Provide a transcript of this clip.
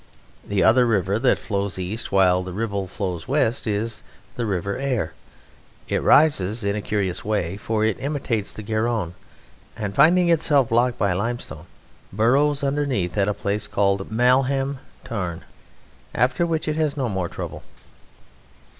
The other river that flows east while the Ribble flows west is the River Ayr. It rises in a curious way, for it imitates the Garonne, and finding itself blocked by limestone burrows underneath at a place called Malham Tarn, after which it has no more trouble.